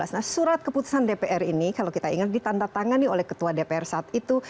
nah surat keputusan dpr ini kalau kita ingat ditandatangani oleh ketua dpr saat itu